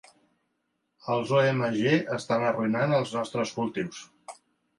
Els OMG estan arruïnant els nostres cultius.